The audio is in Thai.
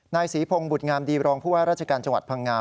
นายศรีพงศ์บุตรงามดีรองผู้ว่าราชการจังหวัดพังงา